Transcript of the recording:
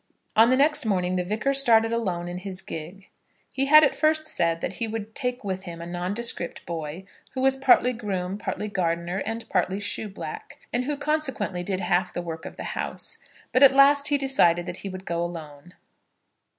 On the next morning the Vicar started alone in his gig. He had at first said that he would take with him a nondescript boy, who was partly groom, partly gardener, and partly shoeblack, and who consequently did half the work of the house; but at last he decided that he would go alone.